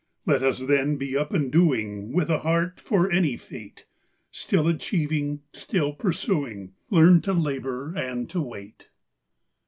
Let us, then, be up and doing, With a heart for any fate; Still achieving, still pursuing, Learn to labour and to wait.